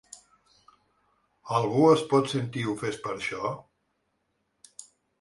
Algú es pot sentir ofès per això?